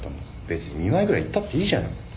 別に見舞いぐらい行ったっていいじゃねえか。